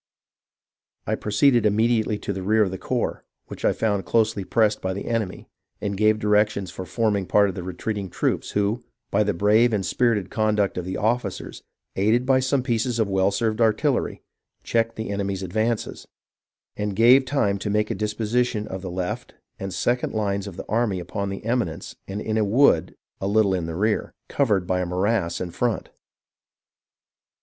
I proceeded immediately to the rear of the corps, which I found closely pressed by the enemy, and gave directions for forming part of the retreating troops, who, by the brave and spirited conduct of the officers, aided by some pieces of well served artillery, checked the enemy's advances, and gave time to make a disposition of the left and second hues of the army upon an eminence and in a wood a little in the rear, covered by a morass in front.